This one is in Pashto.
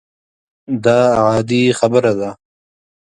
دا عادي خبره ده.